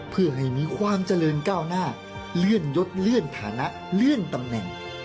เพื่อให้มีความเจริญก้าวหน้าเลื่อนยดเลื่อนฐานะเลื่อนตำแหน่ง